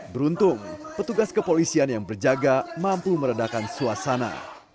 beruntung petugas kepolisian yang berjaga mampu meredakan suasana